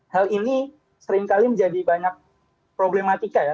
hal ini seringkali menjadi banyak problematika ya